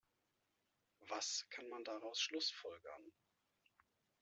Was kann man daraus schlussfolgern?